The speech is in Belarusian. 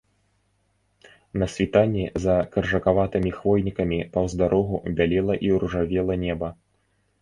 На світанні за каржакаватымі хвойнікамі паўз дарогу бялела і ружавела неба.